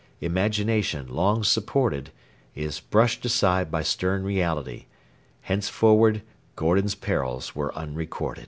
Imagination, long supported, is brushed aside by stern reality. Henceforward Gordon's perils were unrecorded.